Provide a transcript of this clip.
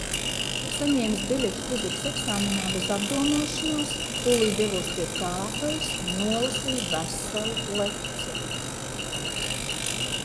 Saņēmis biļeti fizikas eksāmenā, bez apdomāšanās, tūlīt devos pie tāfeles un nolasīju veselu lekciju.